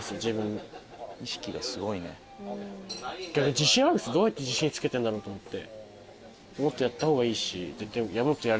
自信ある人どうやって自信つけてるんだろうと思って。